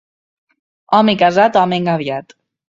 Home casat, home engabiat.